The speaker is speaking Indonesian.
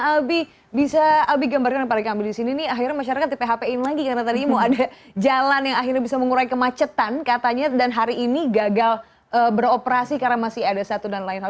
albi bisa albi gambarkan kepada kami di sini nih akhirnya masyarakat di phpin lagi karena tadi mau ada jalan yang akhirnya bisa mengurai kemacetan katanya dan hari ini gagal beroperasi karena masih ada satu dan lain hal